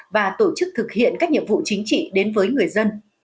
và tổ chức thực hiện các nhiệm vụ chính trị đến với người dân